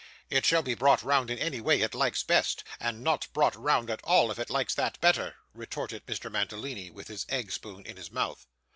'It shall be brought round in any way it likes best, and not brought round at all if it likes that better,' retorted Mr. Mantalini, with his egg spoon in his mouth.